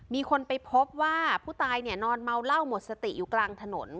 มีคนไปพบว่าผู้ตายเนี่ยนอนเมาเหล้าหมดสติอยู่กลางถนน